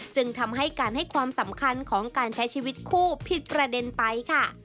จึงทำให้การให้ความสำคัญของการใช้ชีวิตคู่ผิดประเด็นไปค่ะ